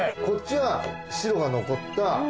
こっちは白が残った。